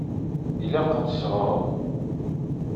Ilaq ad tṣebreḍ?